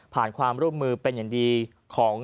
ผ่านความร่วมมือเป็นอันดีของ